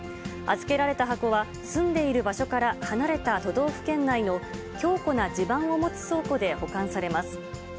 預けられた箱は、住んでいる場所から離れた都道府県内の強固な地盤を持つ倉庫で保管されます。